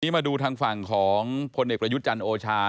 วันนี้มาดูทางฝั่งของพลเนกรยุจจันโชชา